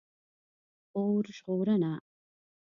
🚒 اور ژغورنه